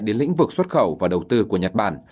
đến lĩnh vực xuất khẩu và đầu tư của nhật bản